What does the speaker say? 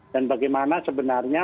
dan bagaimana sebenarnya